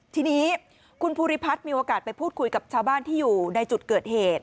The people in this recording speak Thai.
ทีนี้คุณภูริพัฒน์มีโอกาสไปพูดคุยกับชาวบ้านที่อยู่ในจุดเกิดเหตุ